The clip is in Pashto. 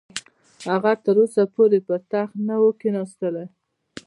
هغه تر اوسه پورې پر تخت نه وو کښېنستلی.